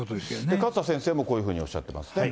勝田先生もこういうふうにおっしゃってますね。